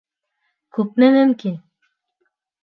Күпме мөмкин?!